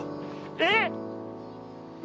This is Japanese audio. えっ！？